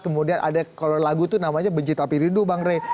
kalau lagu itu namanya benci tapi ridu bang rey